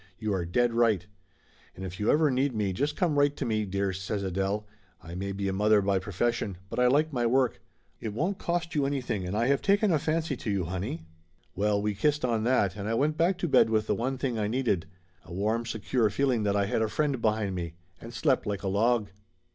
"You are dead right !" "And if you ever need me just come right to me, dear," says Adele. "I may be a mother by profession, but I like my work. It won't cost you anything and I have taken a fancy to you, honey !" Laughter Limited 99 Well, we kissed on that, and I went back to bed with the one thing I needed a warm secure feeling that I had a friend behind me and slept like a log.